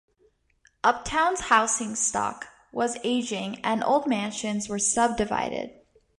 Uptown's housing stock was aging, and old mansions were subdivided.